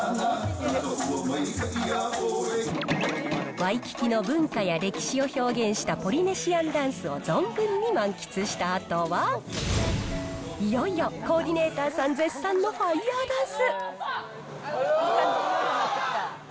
ワイキキの文化や歴史を表現したポリネシアンダンスを存分に満喫したあとは、いよいよコーディネーターさん絶賛のファイヤーダンス。